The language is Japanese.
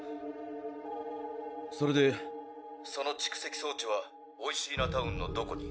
それで「その蓄積装置はおいしーなタウンのどこに？」